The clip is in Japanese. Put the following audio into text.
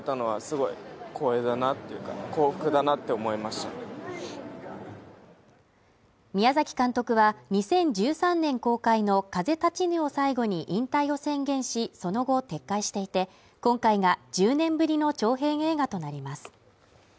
事前の情報がほとんどない中での公開となりましたが、ファンは宮崎監督は、２０１３年公開の「風立ちぬ」を最後に引退を宣言し、その後撤回していて、今回が１０年ぶりの長編映画となります。